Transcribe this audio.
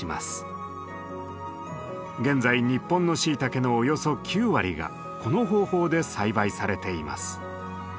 現在日本のシイタケのおよそ９割がこの方法で栽培されています。